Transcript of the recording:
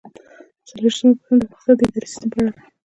څلرویشتمه پوښتنه د افغانستان د اداري سیسټم په اړه ده.